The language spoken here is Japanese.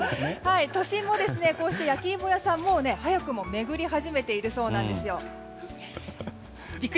都心も焼き芋屋さんが早くも巡り始めているそうなんですよ。